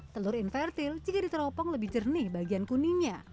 telur invertil jika diteropong lebih jernih bagian kuningnya